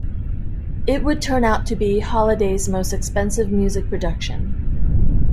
It would turn out to be Holiday's most expensive music production.